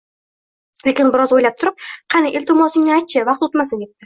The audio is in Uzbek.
Lekin biroz o‘ylab turib, qani, iltimosingni ayt-chi, vaqt o‘tmasin, debdi